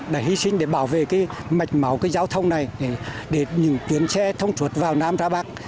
đã hy sinh để bảo vệ cái mạch máu cái giao thông này để những chuyến xe thông suốt vào nam ra bắc